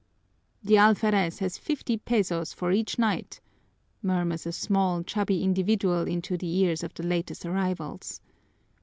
"The alferez has fifty pesos for each night," murmurs a small, chubby individual into the ears of the latest arrivals.